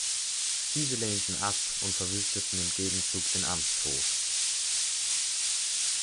Diese lehnten ab und verwüsteten im Gegenzug den Amtshof.